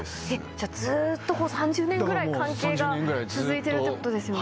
じゃあずっと３０年ぐらい関係が続いてるってことですよね。